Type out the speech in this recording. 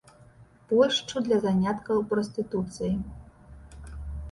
Польшчу для заняткаў прастытуцыяй.